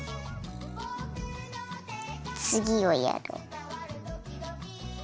つぎをやる。